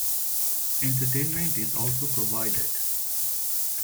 Entertainment is also provided.